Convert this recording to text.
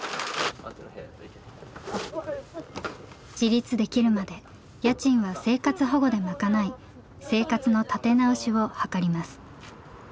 自立できるまで家賃は生活保護で賄い生活の立て直しを図ります。